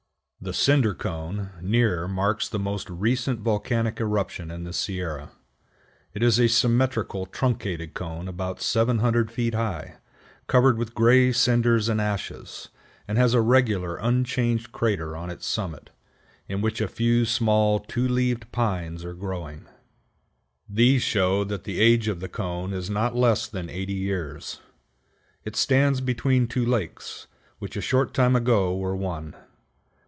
The Cinder Cone near marks the most recent volcanic eruption in the Sierra. It is a symmetrical truncated cone about 700 feet high, covered with gray cinders and ashes, and has a regular unchanged crater on its summit, in which a few small Two leaved Pines are growing. These show that the age of the cone is not less than eighty years. It stands between two lakes, which a short time ago were one.